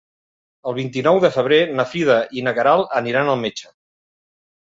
El vint-i-nou de febrer na Frida i na Queralt aniran al metge.